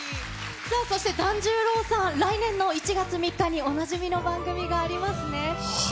さあ、そして團十郎さん、来年の１月３日に、おなじみの番組がありますね。